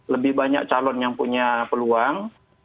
lebih banyak calon yang punya peluang